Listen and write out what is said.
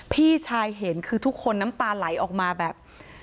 พี่ชายเห็นคือทุกคนน้ำตาไหลออกมาแบบ